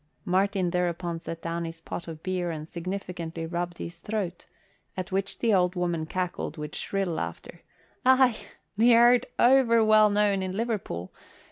Martin thereupon set down his pot of beer and significantly rubbed his throat, at which the old woman cackled with shrill laughter. "Aye, th' art o'er well known in Liverpool.